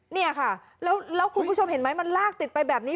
เนี่ยค่ะแล้วคุณผู้ชมเห็นไหมมันลากติดไปแบบนี้